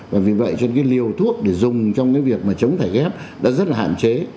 và vì vậy cho nên cái liều thuốc để dùng trong cái việc mà chống thẻ ghép đã rất là hạn chế